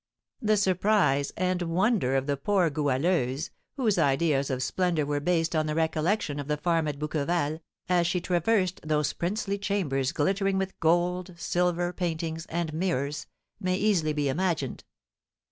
The surprise and wonder of the poor Goualeuse, whose ideas of splendour were based on the recollection of the farm at Bouqueval, as she traversed those princely chambers glittering with gold, silver, paintings, and mirrors, may easily be imagined.